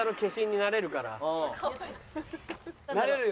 なれるよ。